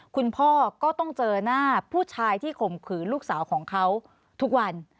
คุณพ่อก็ต้องเจอหน้าผู้ชายที่ข่มขืนลูกสาวของเขาทุกวัน